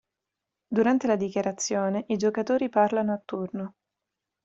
Durante la dichiarazione i giocatori parlano a turno.